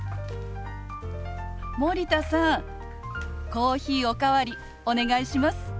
コーヒーお代わりお願いします。